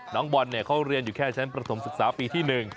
น้องบอลเขาเรียนอยู่แค่ชั้นประถมศึกษาปีที่๑